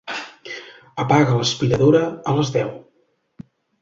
Apaga l'aspiradora a les deu.